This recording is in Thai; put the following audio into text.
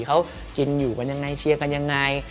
เขากินอยู่กันยังไงเชียร์กันยังไง